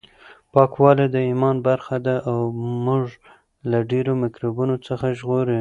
پاکوالی د ایمان برخه ده او موږ له ډېرو میکروبونو څخه ژغوري.